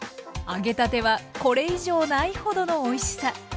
揚げたてはこれ以上ないほどのおいしさ。